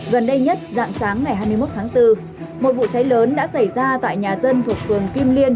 gần đây nhất dạng sáng ngày hai mươi một tháng bốn một vụ cháy lớn đã xảy ra tại nhà dân thuộc phường kim liên